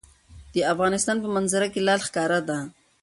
د افغانستان په منظره کې لعل ښکاره ده.